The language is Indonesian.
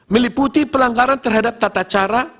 meliputi pelanggaran terhadap tata cara